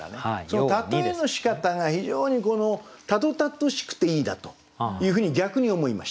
その例えのしかたが非常にたどたどしくていいなというふうに逆に思いました。